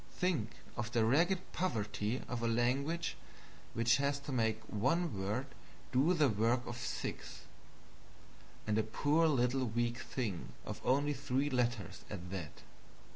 Think of the ragged poverty of a language which has to make one word do the work of six and a poor little weak thing of only three letters at that.